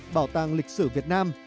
bảo tàng lịch sử việt nam